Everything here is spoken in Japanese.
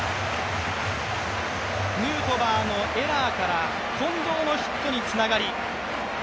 ヌートバーのエラーから近藤のヒットにつながり